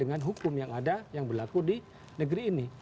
dengan hukum yang ada yang berlaku di negeri ini